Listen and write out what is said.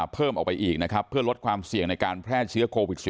เพิ่มออกไปอีกนะครับเพื่อลดความเสี่ยงในการแพร่เชื้อโควิด๑๙